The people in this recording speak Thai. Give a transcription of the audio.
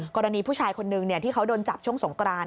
กรณีผู้ชายคนนึงที่เขาโดนจับช่วงสงกราน